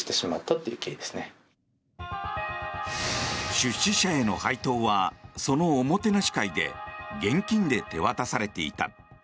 出資者への配当はそのおもてなし会で現金で手渡されていた。